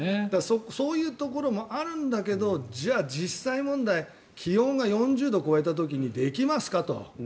そういうところもあるんだけどじゃあ実際問題気温が４０度超えた時にできますかと。